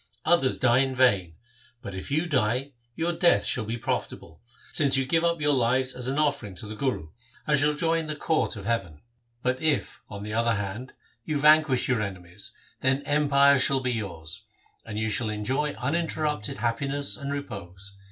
Others die in vain, but if you die, your death shall be profitable, since you give up your lives as an offering to the Guru, and shall join the court of no THE SIKH RELIGION heaven; but if, on the other hand, you vanquish your enemies, then empire shall be yours, and you shall enjoy uninterrupted happiness and repose.